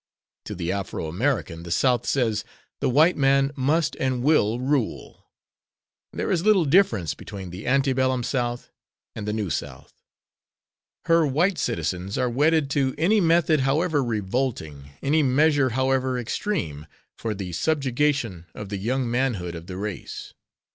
To the Afro American the South says, "the white man must and will rule." There is little difference between the Antebellum South and the New South. Her white citizens are wedded to any method however revolting, any measure however extreme, for the subjugation of the young manhood of the race.